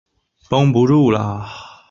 游戏的剧情围绕恐怖主义展开。